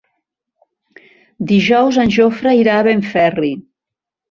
Dijous en Jofre irà a Benferri.